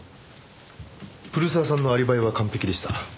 古澤さんのアリバイは完璧でした。